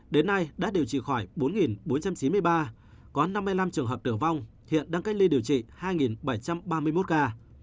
đến nay đã điều trị khỏi bốn bốn trăm chín mươi ba có năm mươi năm trường hợp tử vong hiện đang cách ly điều trị hai bảy trăm ba mươi một ca